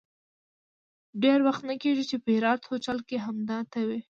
ډېر وخت نه کېږي چې په هرات هوټل کې همدا ته وې.